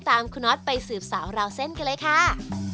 ตามคุณน็อตไปสืบสาวราวเส้นกันเลยค่ะ